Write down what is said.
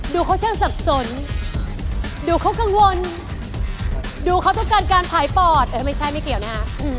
เขาช่างสับสนดูเขากังวลดูเขาต้องการการผ่ายปอดเออไม่ใช่ไม่เกี่ยวนะคะ